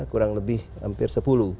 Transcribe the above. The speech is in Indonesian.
kurang lebih hampir sepuluh